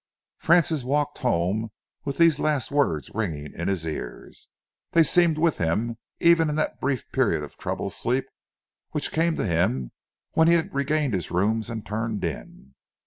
Francis walked home with these last words ringing in his ears. They seemed with him even in that brief period of troubled sleep which came to him when he had regained his rooms and turned in.